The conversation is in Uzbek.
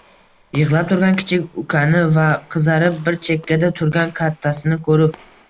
Yig‘lab turgan kichik ukani va qizarib bir chekkada turgan kattasini ko‘rib